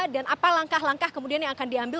dan apa langkah langkah kemudian yang akan diambil